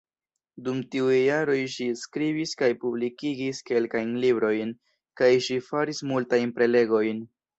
Dum tiuj jaroj ŝi skribis kaj publikigis kelkajn librojn, kaj ŝi faris multajn prelegojn.